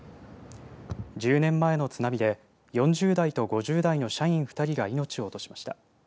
１０年前の津波で４０代と５０代の社員２人が命を落としました。